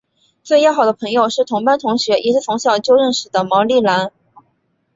最要好的朋友是同班同学也是从小就认识的毛利兰。